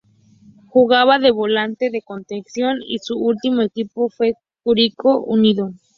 Jugaba de volante de contención y su último equipo fue Curicó Unido.